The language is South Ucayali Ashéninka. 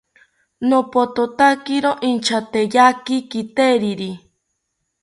Nopothotakiro inchateyaki kiteriri